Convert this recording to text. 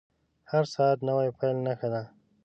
• هر ساعت د نوې پیل نښه ده.